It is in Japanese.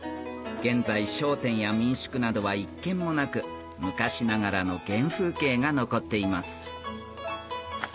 現在商店や民宿などは一軒もなく昔ながらの原風景が残っています